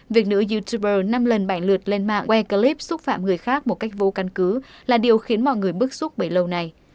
việc nữ youtuber năm lần bảy lượt lên mạng quay clip xúc phạm người khác một cách vô căn cứ là điều khiến mọi người bức xúc bởi lâu nay